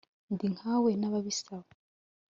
ndi nkawe na babisa